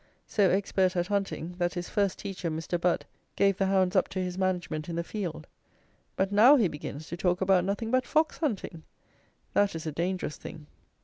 So expert at hunting, that his first teacher, Mr. Budd, gave the hounds up to his management in the field; but now he begins to talk about nothing but fox hunting! That is a dangerous thing.